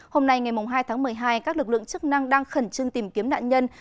hôm nay ngày hai tháng một mươi hai các lực lượng chức năng đang khẩn trương tìm kiếm nạn nhân